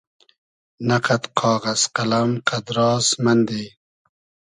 نۂ قئد قاغئز قئلئم قئدراس مئندی